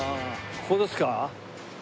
ここですか？